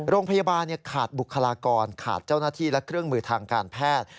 โรงพยาบาลขาดบุคลากรขาดเจ้าหน้าที่และเครื่องมือทางการแพทย์